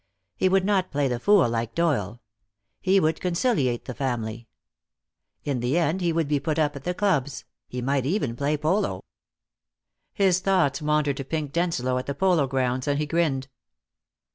He would not play the fool like Doyle. He would conciliate the family. In the end he would be put up at the clubs; he might even play polo. His thoughts wandered to Pink Denslow at the polo grounds, and he grinned.